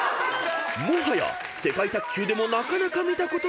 ［もはや世界卓球でもなかなか見たことないスコア］